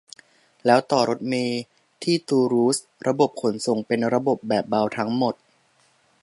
แล้วต่อรถเมล์ ที่ตูลูสระบบขนส่งเป็นระบบแบบเบาทั้งหมด